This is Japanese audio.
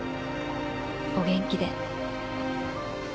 お元気で。